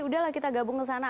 udahlah kita gabung ke sana